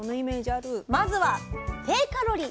まずは低カロリー。